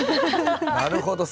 なるほど。